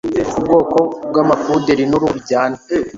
Ubwoko bw'amapuderi n'uruhu bijyana